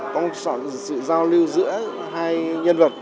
có một sự giao lưu giữa hai nhân vật